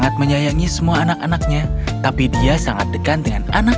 terima kasih banyak ayah